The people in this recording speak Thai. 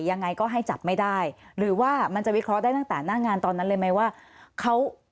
ยังไงก็ให้จับไม่ได้หรือว่ามันจะวิเคราะห์ได้ตั้งแต่หน้างานตอนนั้นเลยไหมว่าเขา